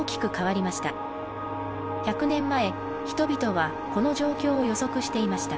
１００年前人々はこの状況を予測していました。